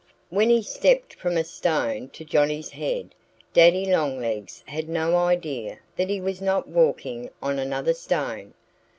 When he stepped from a stone to Johnnie's head Daddy Longlegs had no idea that he was not walking on another stone.